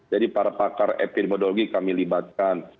jadi para pakar epidemiologi kami libatkan